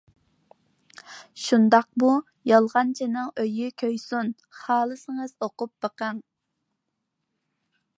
-شۇنداقمۇ؟ -يالغانچىنىڭ ئۆيى كۆيسۇن، خالىسىڭىز، ئوقۇپ بېقىڭ.